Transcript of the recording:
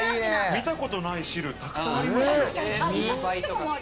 見たことない汁、たくさんありますよ。